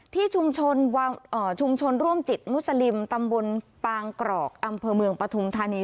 ที่ชุมชนชุมชนร่วมจิตมุสลิมตำบลปางกรอกอำเภอเมืองปฐุมธานี